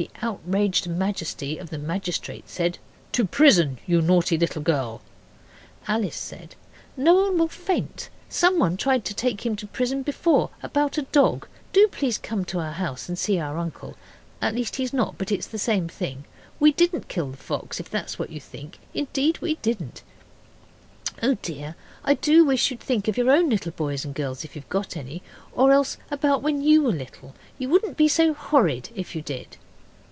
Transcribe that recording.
The outraged majesty of the magistrate said, 'To prison, you naughty little girl.' Alice said, 'Noel will faint. Somebody once tried to take him to prison before about a dog. Do please come to our house and see our uncle at least he's not but it's the same thing. We didn't kill the fox, if that's what you think indeed we didn't. Oh, dear, I do wish you'd think of your own little boys and girls if you've got any, or else about when you were little. You wouldn't be so horrid if you did.